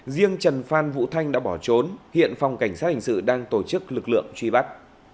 riêng trần phan vũ thanh đã bỏ trốn hiện phòng cảnh sát hình sự đang tổ chức lực lượng truy bắt